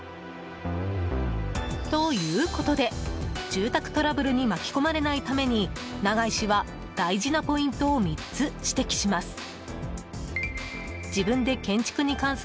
ということで、住宅トラブルに巻き込まれないために長井氏は大事なポイントを３つ指摘します。